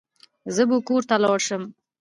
زه بو کور ته لوړ شم.